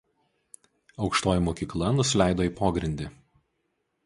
Aukštoji mokykla nusileido į pogrindį.